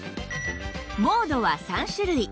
モードは３種類